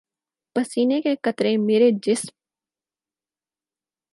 پسینے کے قطرے میرے جسم